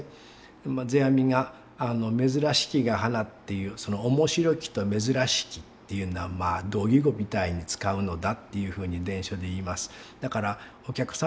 まあ世阿弥が「珍しきが花」っていうその「面白き」と「珍しき」っていうのはまあ同意語みたいに使うのだっていうふうに伝書で言います。